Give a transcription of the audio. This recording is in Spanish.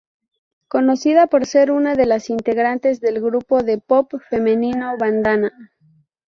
Conocida por ser una de las integrantes del grupo de pop femenino Bandana.